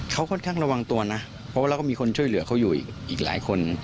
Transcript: เขาค่อนข้างระวังตัวนะเพราะว่าเราก็มีคนช่วยเหลือเขาอยู่อีกหลายคน